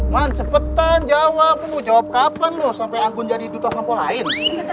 man cepetan jawabmu jawab kapan